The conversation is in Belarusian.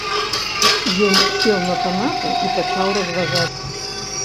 Ён сеў на канапу і пачаў разважаць.